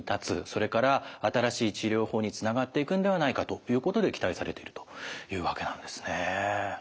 それから新しい治療法につながっていくのではないかということで期待されてるというわけなんですね。